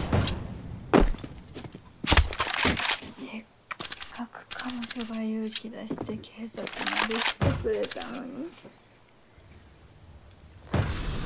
せっかく彼女が勇気出して警察まで来てくれたのに。